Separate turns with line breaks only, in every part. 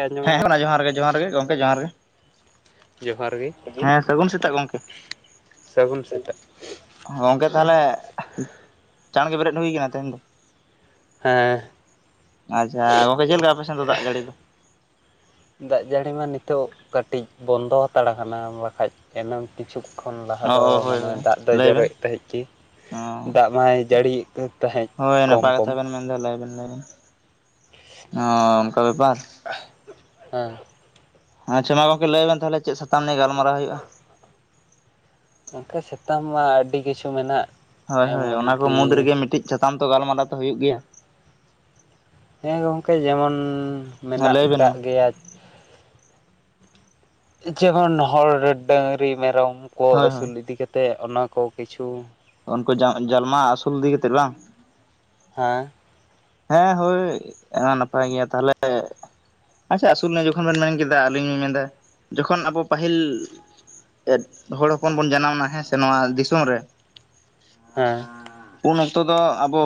ᱟᱸᱡᱚᱢᱮᱫᱼᱟ
ᱦᱮᱸ ᱡᱚᱦᱟᱨ ᱜᱮ ᱡᱚᱦᱟᱨ ᱜᱮ ᱜᱚᱢᱠᱮ ᱡᱚᱦᱟᱨ ᱜᱮ
ᱡᱚᱦᱟᱨ ᱜᱮ
ᱦᱮᱸ ᱥᱟᱹᱜᱩᱱ ᱥᱮᱛᱟᱜ ᱜᱚᱝᱠᱮ
ᱥᱟᱹᱜᱩᱱ ᱥᱮᱛᱟᱜ
ᱜᱚᱝᱠᱮ ᱛᱟᱦᱚᱞᱮ ᱪᱟᱸᱬ ᱜᱮ ᱵᱮᱨᱮᱫ ᱦᱩᱭ ᱟᱠᱟᱱᱟ ᱛᱮᱸᱦᱮᱧ ᱫᱚ
ᱦᱮᱸ
ᱟᱪᱪᱷᱟ ᱜᱚᱝᱠᱮ ᱪᱮᱫ ᱞᱮᱠᱟ ᱟᱯᱮᱥᱮᱱ ᱫᱚ ᱫᱟᱜ ᱡᱟᱹᱲᱤ ᱫᱚ
ᱫᱟᱜ ᱡᱟᱹᱲᱤ ᱢᱟ ᱱᱤᱛᱚᱜ ᱠᱟᱹᱴᱤᱡ ᱵᱚᱱᱫᱚ ᱦᱟᱛᱟᱲ ᱟᱠᱟᱱᱟ ᱵᱟᱠᱷᱟᱡ ᱮᱱᱟᱝ ᱠᱤᱪᱷᱩ ᱠᱷᱚᱱ ᱞᱟᱦᱟ
ᱚ
ᱫᱚ
ᱦᱳᱭ
ᱢᱟᱱᱮ
ᱦᱳᱭ
ᱫᱟᱜ ᱫᱚ
ᱞᱟᱹᱭ ᱵᱮᱱ
ᱡᱚᱨᱚᱭᱼᱮᱫ ᱛᱟᱦᱮᱸᱜ ᱜᱮ
ᱚ
ᱫᱟᱜ ᱢᱟᱭ ᱡᱟᱹᱲᱤᱭᱼᱮᱫ ᱛᱟᱦᱮᱸᱫ
ᱦᱳᱭ
ᱠᱚᱢ
ᱱᱟᱯᱟᱭ
ᱠᱚᱢ
ᱠᱟᱛᱷᱟ ᱵᱮᱱ ᱞᱟᱹᱭ ᱵᱤᱱ [unintelligible] ᱚ ᱚᱱᱠᱟ ᱵᱮᱯᱟᱨ
ᱦᱮᱸ
ᱟᱪᱪᱷᱟ ᱢᱟ ᱜᱚᱝᱠᱮ ᱞᱟᱹᱭ ᱵᱮᱱ ᱛᱟᱦᱚᱞᱮ ᱪᱮᱫ ᱥᱟᱛᱟᱢ ᱱᱤᱭᱮ ᱜᱟᱞᱢᱟᱨᱟᱣ ᱦᱩᱭᱩᱜᱼᱟ
ᱜᱚᱝᱠᱮ ᱥᱮᱛᱟᱢ ᱢᱟ ᱟᱹᱰᱤ ᱠᱤᱪᱷᱩ ᱢᱮᱱᱟᱜ
ᱦᱳᱭ ᱦᱳᱭ ᱚᱱᱟ
ᱮᱢᱚᱱ
ᱠᱚ
ᱠᱤ
ᱢᱩᱫᱽ ᱨᱮᱜᱮ ᱢᱤᱫᱴᱮᱡ ᱥᱟᱛᱟᱢ ᱛᱚ ᱜᱟᱞᱢᱟᱨᱟᱣ ᱛᱚ ᱦᱩᱭᱩᱜ ᱜᱮᱭᱟ
ᱦᱮᱸ ᱜᱚᱝᱠᱮ ᱡᱮᱢᱚᱱ
ᱦᱮᱸ
ᱢᱮᱱᱟᱜ
ᱞᱟᱹᱭ ᱵᱮᱱ
ᱟᱠᱟᱫ
ᱢᱟ
ᱜᱮᱭᱟ ᱡᱮᱢᱚᱱ ᱦᱚᱲ, ᱰᱟᱹᱝᱨᱤ ᱢᱮᱨᱚᱢ ᱠᱚ
ᱦᱳᱭ ᱦᱳᱭ
ᱟᱹᱥᱩᱞ ᱤᱫᱤ ᱠᱟᱛᱮᱫ ᱚᱱᱟ ᱠᱚ ᱠᱤᱪᱷᱩ
ᱩᱱᱠᱩ ᱡᱟᱞᱢᱟ ᱟᱹᱥᱩᱞ ᱤᱫᱤ ᱠᱟᱛᱮᱫ ᱵᱟᱝ
ᱦᱮᱸ
ᱦᱮᱸ ᱦᱳᱭ ᱱᱟᱯᱟᱭ ᱜᱮᱭᱟ ᱛᱟᱦᱚᱞᱮ ᱟᱪᱪᱷᱟ ᱟᱹᱥᱩᱞ ᱟᱱ ᱡᱚᱠᱷᱚᱱ ᱵᱮᱱ ᱢᱮᱱ ᱠᱮᱫᱟ ᱟᱹᱞᱤᱧ ᱞᱤᱧ ᱢᱮᱱ ᱠᱮᱫᱟ ᱡᱚᱠᱷᱚᱱ ᱟᱵᱚ ᱯᱟᱹᱦᱤᱞ ᱦᱚᱲ ᱦᱚᱯᱚᱱ ᱵᱚᱱ ᱡᱟᱱᱟᱢ ᱮᱱᱟ ᱦᱮᱸ ᱥᱮ ᱱᱚᱣᱟ ᱫᱤᱥᱚᱢ ᱨᱮ
ᱦᱮᱸ
ᱩᱱ ᱚᱠᱛᱚ ᱫᱚ ᱟᱵᱚ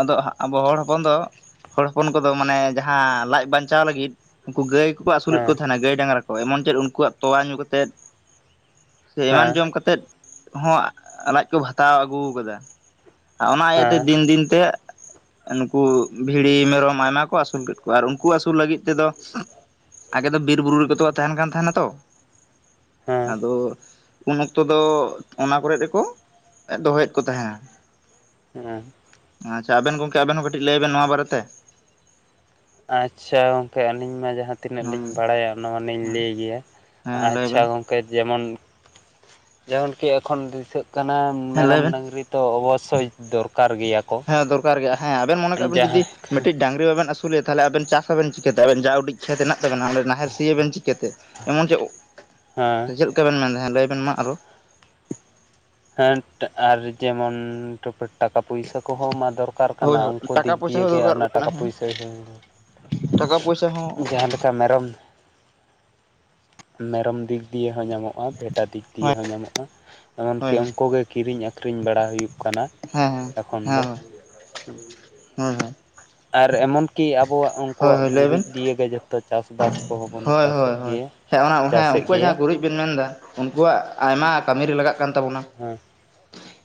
ᱟᱫᱚ ᱟᱵᱚ ᱦᱚᱲ ᱦᱚᱯᱚᱱ ᱫᱚ ᱦᱚᱲ ᱦᱚᱯᱚᱱ ᱠᱚᱫᱚ ᱢᱟᱱᱮ ᱡᱟᱦᱟᱸ ᱞᱟᱡ ᱵᱟᱧᱪᱟᱣ ᱞᱟᱹᱜᱤᱫ ᱩᱱᱠᱩ ᱜᱟᱹᱭ ᱠᱚᱠᱚ ᱟᱹᱥᱩᱞᱮᱫ
ᱦᱮᱸ
ᱠᱚ ᱛᱟᱦᱮᱱᱟ ᱜᱟᱹᱭ ᱰᱟᱝᱨᱟ ᱠᱚ ᱮᱢᱚᱱ ᱪᱮᱫ ᱩᱱᱠᱩᱣᱼᱟᱜ ᱛᱳᱣᱟ ᱧᱩ ᱠᱟᱛᱮᱫ ᱥᱮ ᱮᱢᱟᱱ
ᱦᱮᱸ
ᱡᱚᱢ ᱠᱟᱛᱮᱫ ᱦᱚᱸ ᱞᱟᱡ ᱠᱚ ᱵᱷᱟᱛᱟᱣ ᱟᱹᱜᱩ ᱟᱠᱟᱫᱟ ᱟᱨ ᱚᱱᱟ ᱤᱭᱟᱹ ᱛᱮ
ᱦᱮᱸ
ᱫᱤᱱ ᱫᱤᱱ ᱛᱮ ᱱᱩᱠᱩ ᱵᱷᱤᱲᱤ ᱢᱮᱨᱚᱢ ᱟᱭᱢᱟ ᱠᱚ ᱟᱹᱥᱩᱞ ᱠᱮᱫ ᱠᱚᱣᱟ ᱟᱨ ᱩᱱᱠᱩ ᱟᱹᱥᱩᱞ ᱞᱟᱹᱜᱤᱫ ᱛᱮᱫᱚ ᱟᱜᱮ ᱫᱚ ᱵᱤᱨ ᱵᱩᱨᱩ ᱨᱮᱛᱚ ᱠᱚ ᱛᱟᱦᱮᱱ ᱠᱟᱱ ᱛᱟᱦᱮᱱᱟ ᱛᱚ
ᱦᱮᱸ
ᱟᱫᱚ ᱩᱱ ᱚᱠᱛᱚ ᱫᱚ ᱚᱱᱟ ᱠᱚᱨᱮᱜ ᱨᱮᱠᱚ ᱫᱚᱦᱚᱭᱮᱫ ᱠᱚ ᱛᱟᱦᱮᱸᱱᱟ
ᱦᱮᱸ
ᱟᱪᱪᱷᱟ ᱟᱵᱮᱱ ᱜᱚᱝᱠᱮ ᱟᱵᱮᱱ ᱦᱚᱸ ᱠᱟᱹᱴᱤᱡ ᱞᱟᱹᱭ ᱵᱮᱱ ᱱᱚᱣᱟ ᱵᱟᱨᱮᱛᱮ
ᱟᱪᱪᱷᱟ ᱜᱚᱝᱠᱮ ᱟᱹᱞᱤᱧ ᱢᱟ ᱡᱟᱦᱟᱸ ᱛᱤᱱᱟᱹᱜ ᱞᱤᱧ ᱵᱟᱲᱟᱭᱟ ᱚᱱᱟ ᱢᱟᱞᱤᱧ ᱞᱟᱹᱭ ᱜᱮᱭᱟ
ᱦᱮᱸ ᱞᱟᱹᱭ
ᱟᱪᱪᱷᱟ
ᱵᱮᱱ
ᱜᱚᱝᱠᱮ ᱛᱚ ᱡᱮᱢᱚᱱ ᱡᱮᱢᱚᱱ ᱠᱤ ᱮᱠᱷᱚᱱ ᱫᱤᱥᱟᱹᱜ ᱠᱟᱱᱟ
ᱦᱮᱸ ᱞᱟᱹᱭ
ᱢᱮᱨᱚᱢ
ᱵᱮᱱ
ᱰᱟᱹᱝᱨᱤ ᱛᱚ ᱚᱵᱚᱥᱥᱳᱭ ᱫᱚᱨᱠᱟᱨ ᱜᱮᱭᱟ ᱠᱚ
ᱦᱮᱸ ᱫᱚᱨᱠᱟᱨ ᱜᱮ ᱦᱮᱸ ᱟᱵᱮᱱ ᱢᱚᱱᱮ ᱠᱟᱜ ᱵᱮᱱ
ᱡᱟᱦᱟᱸ
ᱡᱩᱫᱤ ᱢᱤᱫᱴᱤᱡ ᱰᱟᱝᱨᱤ ᱵᱟᱵᱮᱱ ᱟᱹᱥᱩᱞ ᱮᱭᱟ ᱛᱟᱦᱞᱮ ᱟᱵᱮᱱ ᱪᱟᱥ ᱟᱵᱮᱱ ᱪᱤᱠᱟᱹᱛᱮ ᱟᱵᱮᱱ ᱡᱟ ᱩᱰᱤᱡ ᱠᱷᱮᱛ ᱦᱮᱸᱱᱟᱜ ᱛᱟᱵᱮᱱᱟ ᱱᱟᱦᱮᱞ ᱥᱤᱭᱟᱵᱮᱱ ᱪᱤᱠᱟᱹᱛᱮ ᱮᱢᱚᱱ ᱪᱮᱫ
ᱦᱮᱸ
ᱪᱮᱫ ᱞᱮᱠᱟ ᱵᱮᱱ ᱢᱚᱱᱮᱭᱟ ᱞᱟᱹᱭᱵᱱ ᱢᱟ ᱟᱨᱚ
ᱦᱮᱸᱱᱴ ᱟᱨ ᱡᱮᱢᱚᱱ ᱴᱩᱯ ᱴᱟᱠᱟ ᱯᱩᱭᱥᱟᱹ ᱠᱚᱦᱚᱸ ᱢᱟ ᱫᱚᱨᱠᱟᱨ
ᱦᱳᱭ
ᱠᱟᱱᱟ
ᱦᱳᱭ
ᱩᱱᱠᱩ
ᱴᱟᱠᱟ
ᱫᱤᱠ
ᱯᱚᱭᱥᱟ
ᱫᱤᱭᱮ
ᱦᱚᱸ
ᱜᱮ
ᱫᱚᱨᱠᱟᱨ
ᱚᱱᱟ
ᱠᱟᱱᱟ
ᱴᱟᱠᱟ
ᱦᱮᱸ
ᱯᱩᱭᱥᱟᱹ
ᱴᱟᱠᱟ ᱯᱚᱭᱥᱟ ᱦᱚᱸ
ᱡᱟᱦᱟᱸ ᱞᱮᱠᱟ ᱢᱮᱨᱚᱢ ᱢᱮᱨᱚᱢ ᱫᱤᱠ ᱫᱤᱭᱮ ᱦᱚᱸ ᱧᱟᱢᱚᱜᱼᱟ ᱵᱷᱮᱰᱟ ᱫᱤᱠ ᱫᱤᱭᱮ
ᱦᱳᱭ
ᱦᱚᱸ ᱧᱟᱢᱚᱜᱼᱟ
ᱦᱳᱭ
ᱮᱢᱚᱱᱠᱤ
ᱦᱳᱭ
ᱩᱱᱠᱩ ᱜᱮ ᱠᱤᱨᱤᱧ ᱟᱹᱠᱷᱨᱤᱧ ᱟᱹᱠᱷᱨᱤᱧ ᱵᱟᱲᱟ ᱦᱩᱭᱩᱜ ᱠᱟᱱᱟ
ᱦᱮᱸ
ᱮᱠᱷᱚᱱ
ᱦᱮᱸ ᱦᱮᱸ
ᱫᱚ
ᱦᱳᱭ ᱦᱳᱭ
ᱟᱨ ᱮᱢᱚᱱ ᱠᱤ ᱟᱵᱚᱣᱼᱟᱜ
ᱦᱳᱭ
ᱩᱱᱠᱩᱣᱼᱟᱜ
ᱦᱳᱭ ᱞᱟᱹᱭ ᱵᱮᱱ
ᱜᱩᱨᱤᱡ ᱫᱤᱭᱮ ᱜᱮ ᱡᱚᱠᱷᱚᱱ ᱛᱚ ᱪᱟᱥ ᱵᱟᱥ ᱠᱚᱦᱚᱸ ᱵᱚᱱ
ᱦᱳᱭ
ᱪᱟᱥ
ᱦᱳᱭ
ᱮᱜ
ᱦᱳᱭ
ᱜᱮᱭᱟ
ᱦᱮᱸ ᱚᱱᱟ
ᱪᱟᱥ
ᱦᱮᱸ
ᱮᱜ
ᱩᱱᱠᱩᱣᱟᱜ
ᱜᱮᱭᱟ
ᱡᱟᱦᱟᱸ ᱜᱩᱨᱤᱡ ᱵᱮᱱ ᱢᱮᱱ ᱫᱟ, ᱩᱱᱠᱩᱣᱟᱜ ᱟᱭᱢᱟ ᱠᱟᱹᱢᱤ ᱨᱮ ᱞᱟᱜᱟᱜ ᱠᱟᱱ ᱛᱟᱵᱚᱱᱟ᱾
ᱦᱮᱸ᱾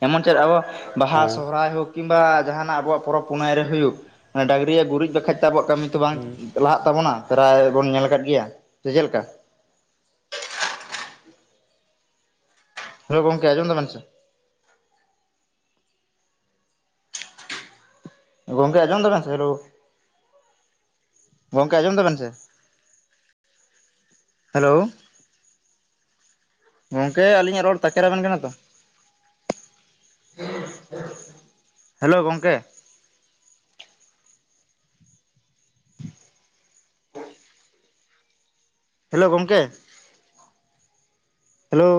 ᱮᱢᱚᱱ ᱪᱮᱫ ᱟᱵᱚ, ᱵᱟᱦᱟ
ᱦᱮᱸ
ᱥᱚᱦᱚᱨᱟᱭ ᱦᱳᱠ ᱠᱤᱝᱵᱟ ᱡᱟᱦᱟᱱᱟᱜ ᱟᱵᱚᱣᱟᱜ ᱯᱚᱨᱚᱵᱽ ᱯᱩᱱᱟᱹᱭ ᱨᱮ ᱦᱩᱭᱩᱜ, ᱰᱟᱝᱨᱟᱜ ᱜᱩᱨᱤᱡ ᱵᱟᱠᱷᱟᱡ ᱫᱚ ᱟᱵᱚᱣᱟᱜ ᱠᱟᱹᱢᱤ ᱛᱚ ᱵᱟᱝ
ᱦᱩᱸ
ᱞᱟᱦᱟᱜ ᱛᱟᱵᱚᱱᱟ ᱯᱨᱟᱭ ᱵᱚᱱ ᱧᱮᱞ ᱟᱠᱟᱫ ᱜᱮᱭᱟ, ᱥᱮ ᱪᱮᱫ ᱞᱮᱠᱟ? ᱦᱚᱭ ᱜᱚᱝᱠᱮ ᱟᱸᱡᱚᱢ ᱫᱟᱵᱮᱱ ᱥᱮ? ᱜᱚᱢᱠᱮ ᱟᱸᱡᱚᱢ ᱫᱟᱵᱤᱱ ᱥᱮ ᱦᱮᱞᱳ ᱜᱚᱝᱠᱮ ᱟᱸᱡᱚᱢ ᱫᱟᱵᱮᱱ ᱥᱮ? ᱦᱮᱞᱳ᱾ ᱜᱚᱝᱠᱮ ᱟᱹᱞᱤᱧᱟᱜ ᱨᱚᱲ ᱛᱟᱠᱮᱨ ᱟᱵᱮᱱ ᱠᱟᱱᱟ ᱛᱚ? [unintelligible] ᱦᱮᱞᱳ ᱜᱚᱝᱠᱮ᱾ [unintelligible] ᱦᱮᱞᱳ ᱜᱚᱢᱠᱮ ᱦᱮᱞᱳ